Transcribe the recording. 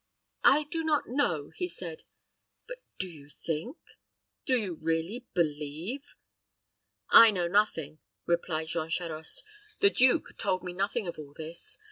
"I do not know," he said. "But do you think do you really believe " "I know nothing," replied Jean Charost. "The duke told me nothing of all this.